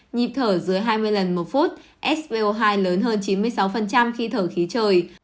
nhịp thở dưới hai mươi lần một phút svo hai lớn hơn chín mươi sáu khi thở khí trời